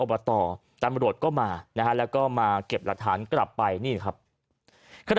บตตำรวจก็มานะฮะแล้วก็มาเก็บหลักฐานกลับไปนี่ครับขณะ